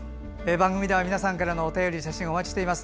番組では皆さんからのお写真をお待ちしています。